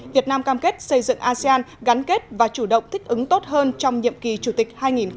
việt nam cam kết xây dựng asean gắn kết và chủ động thích ứng tốt hơn trong nhiệm kỳ chủ tịch hai nghìn hai mươi